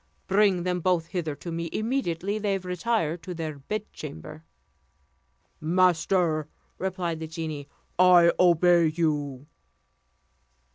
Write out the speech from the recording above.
Bring them both hither to me immediately they retire to their bedchamber." "Master," replied the genie, "I obey you."